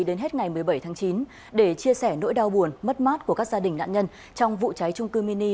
đến hết ngày một mươi bảy tháng chín để chia sẻ nỗi đau buồn mất mát của các gia đình nạn nhân trong vụ cháy trung cư mini